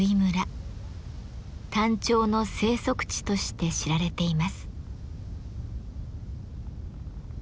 タンチョウの生息地として知られています。